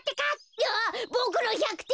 うわボクの１００てん。